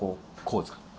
こうですか？